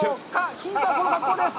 ヒントはこの格好です！